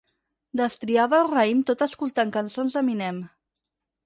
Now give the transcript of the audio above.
Destriava el raïm tot escoltant cançons d'Eminem.